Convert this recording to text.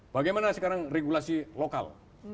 bagaimana sekarang regulasi lokal